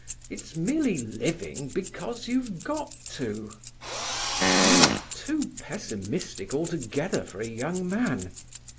It's merely living because you've got to." "You are too pessimistic altogether for a young man.